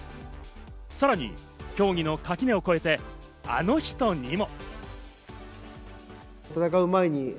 さらに競技の垣根を越えて、あの人にも。